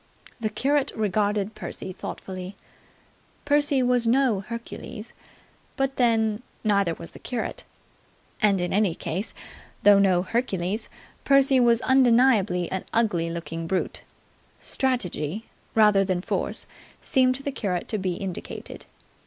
The curate regarded Percy thoughtfully. Percy was no Hercules: but then, neither was the curate. And in any case, though no Hercules, Percy was undeniably an ugly looking brute. Strategy, rather than force, seemed to the curate to be indicated.